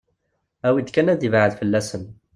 Awi-d kan ad ibɛed fell-asen.